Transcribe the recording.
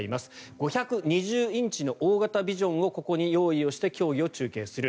５２０インチの大型ビジョンをここに用意して競技を中継する。